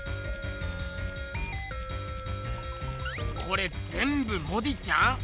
これぜんぶモディちゃん？